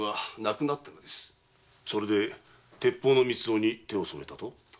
それで鉄砲の密造に手を染めたと？